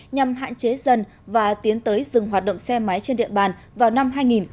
nhằm hạn chế dần và tiến tới dừng hoạt động xe máy trên địa bàn vào năm hai nghìn hai mươi